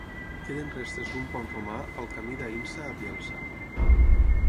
Queden restes d'un pont romà al camí d'Aïnsa a Bielsa.